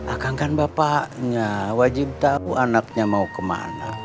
akankan bapaknya wajib tahu anaknya mau kemana